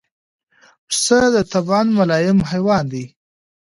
پسه د طبعاً ملایم حیوان دی.